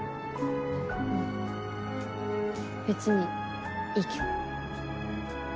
別にいいけど。